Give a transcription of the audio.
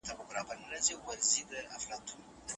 هغه سړي سر عايد چي ياد سو، بايد لوړ سي.